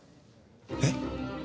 えっ？